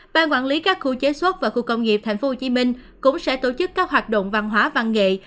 ban quản lý các khu chế xuất và khu công nghiệp tp hcm cũng sẽ tổ chức các hoạt động văn hóa văn nghệ